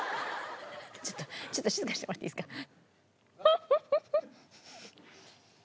ちょっとちょっと静かにしてもらっていいですか？